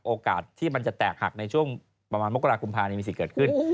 โอกาสที่มันจะแตกหักในช่วงประมาณมกรากุมภามีสิทธิ์เกิดขึ้น